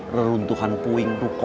reruntuhan puing ruko